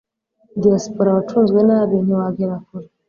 Diaspora wacunzwe nabi ntiwagera kure